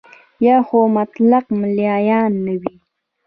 یا خو مطلق ملایان نه وو.